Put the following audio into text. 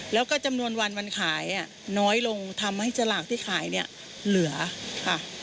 แล้วก็จำนวนวันวันขายน้อยลงทำให้สลากที่ขายเนี่ยเหลือค่ะ